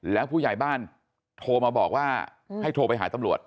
แล้วผู้ใหญ่บ้านโทรมาบอกว่าให้โทรไปหาตำรวจ